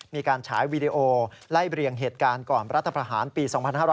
มีการฉายวีดีโอไล่เรียงเหตุการณ์ก่อนรัฐภาภาษณ์ปี๒๕๕๗